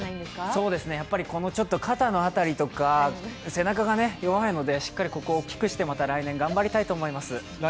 そうですね、やっぱり肩の辺りとか背中が弱いのでしっかりここを大きくして来年も頑張りたいと思います。